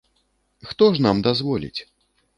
Хто ж нам дазволіць?